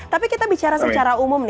tapi kita bicara secara umum nih